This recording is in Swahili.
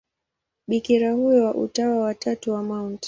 Bikira huyo wa Utawa wa Tatu wa Mt.